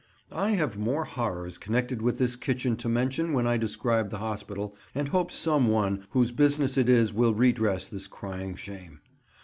I have more horrors connected with this kitchen to mention when I describe the hospital, and hope some one whose business it is will redress this crying shame.